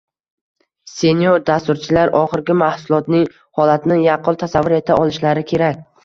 Senior dasturchilar oxirgi mahsulotning holatini yaqqol tasavvur eta olishlari kerak